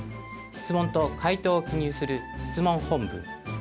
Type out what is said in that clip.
質問と回答を記入する「質問本文」。